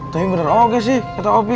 tapi bener bener oke sih kata opi